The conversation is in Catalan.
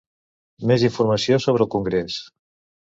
Més informació sobre el congrés.